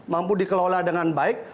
mampu dikelola dengan baik